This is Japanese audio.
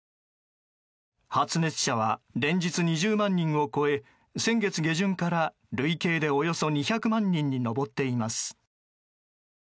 発熱者は連日２０万人を超え先月下旬から累計でおよそ２００万人に上っています。